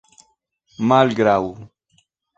malgraŭ